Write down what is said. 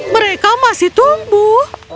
mereka masih tumbuh